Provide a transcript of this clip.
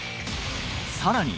さらに